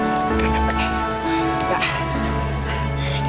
oma capek ya